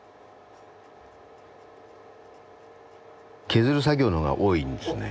削る作業の方が多いんですね。